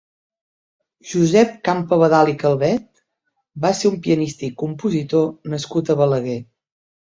Josep Campabadal i Calvet va ser un pianista i compositor nascut a Balaguer.